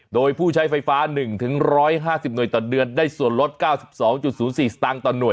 โดยผู้ใช้ไฟฟ้า๑๑๕๐หน่วยต่อเดือนได้ส่วนลด๙๒๐๔สตางค์ต่อหน่วย